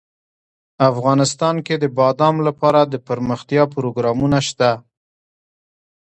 افغانستان کې د بادام لپاره دپرمختیا پروګرامونه شته.